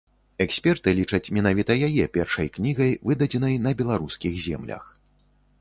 Эксперты лічаць менавіта яе першай кнігай, выдадзенай на беларускіх землях.